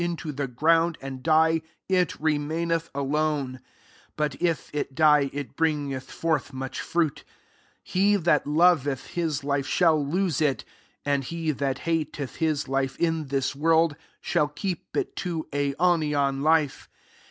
Unless a grain of wheat Ml into the ground, and die, it remaineth alone : but if it die, it bringeth forth much fruit. 25 He that loveth his life, shall lose it; and he that hateth his life, in this world, shall keep it to aionian life.